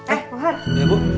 eh mohar iya bu